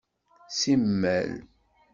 Simmal.